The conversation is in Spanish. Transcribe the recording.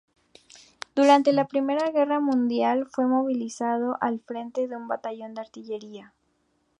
Durante la primera guerra mundial fue movilizado al frente en un batallón de artillería.